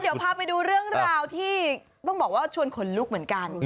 เดี๋ยวพาไปดูเรื่องราวที่ต้องบอกว่าชวนขนลุกเหมือนกัน